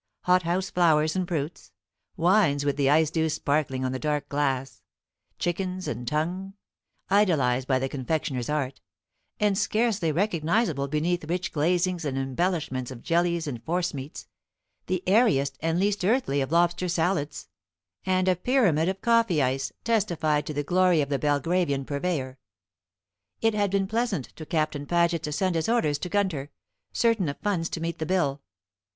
Hothouse flowers and fruits; wines with the icedew sparkling on the dark glass; chickens and tongue, idealized by the confectioner's art, and scarcely recognizable beneath rich glazings and embellishments of jellies and forcemeats; the airiest and least earthly of lobster salads, and a pyramid of coffee ice, testified to the glory of the Belgravian purveyor. It had been pleasant to Captain Paget to send his orders to Gunter, certain of funds to meet the bill.